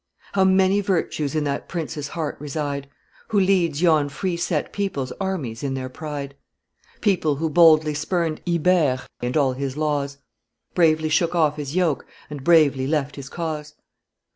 How many virtues in that prince's heart reside Who leads yon free set people's armies in their pride, People who boldly spurned Ibere and all his laws, Bravely shook off his yoke and bravely left his cause?